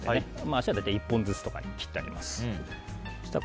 足は１本ずつとかに切ってあります。